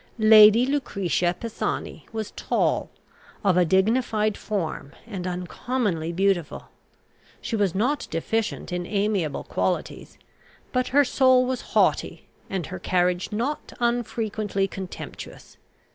Lady Lucretia Pisani was tall, of a dignified form, and uncommonly beautiful. She was not deficient in amiable qualities, but her soul was haughty, and her carriage not unfrequently contemptuous.